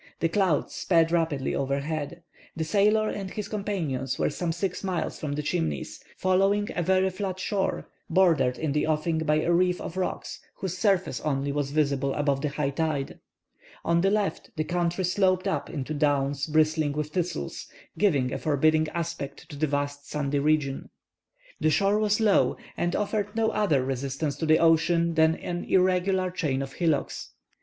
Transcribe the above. The clouds sped rapidly overhead. The sailor and his companions were some six miles from the Chimneys, following a very flat shore, bordered in the offing by a reef of rocks whose surface only was visible above the high tide. On the left the country sloped up into downs bristling with thistles, giving a forbidding aspect to the vast sandy region. The shore was low, and offered no other resistance to the ocean than an irregular chain of hillocks.